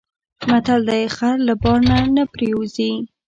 متل دی: خر له بار نه پرېوځي.